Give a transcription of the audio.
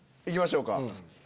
行きましょうか。